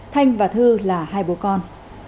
thanh và thư là hai bố con